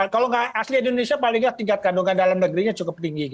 kalau nggak asli indonesia palingnya tingkat kandungan dalam negerinya cukup tinggi gitu ya